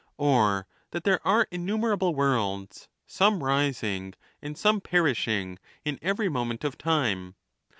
or that there are innumerable worlds, some rising and some per (ishing, in every moment of time?